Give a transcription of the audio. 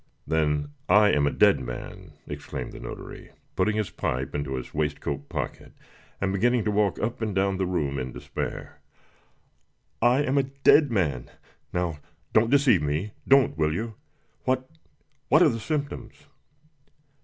"Then I am a dead man!" exclaimed the notary, putting his pipe into his waistcoat pocket, and beginning to walk up and down the room in despair. "I am a dead man! Now don't deceive me don't, will you? What what are the symptoms?"